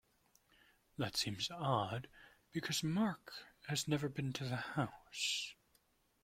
That seems odd because Mark has never been to the house.